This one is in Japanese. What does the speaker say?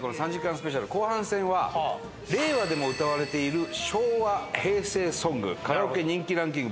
スペシャル後半戦は令和でも歌われている昭和平成ソングカラオケ人気ランキング